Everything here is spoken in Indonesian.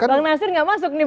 bang nasir nggak masuk nih